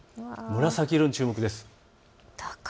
紫色に注目です。